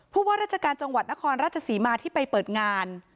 ว่าราชการจังหวัดนครราชศรีมาที่ไปเปิดงาน